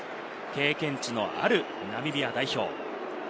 経験値のあるナミビア代表。